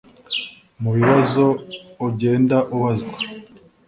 Mubibazo ugenda ubazwa